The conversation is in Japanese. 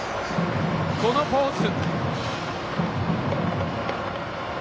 このポーズ。